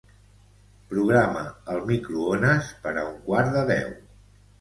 Programa el microones per a un quart de deu.